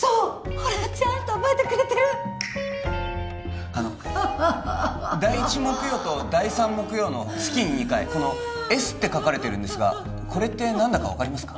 ほらちゃんと覚えてくれてるあの第１木曜と第３木曜の月に２回Ｓって書かれてるんですがこれって何だか分かりますか？